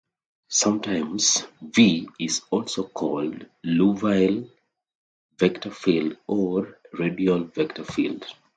Sometimes "V" is also called the Liouville vector field, or radial vector field.